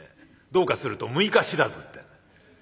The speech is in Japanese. どうかすると「六日知らず」ってんで。